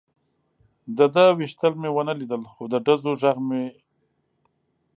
د ده وېشتل مې و نه لیدل، خو د ډزو غږ مې.